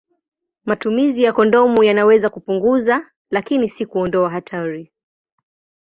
Matumizi ya kondomu yanaweza kupunguza, lakini si kuondoa hatari.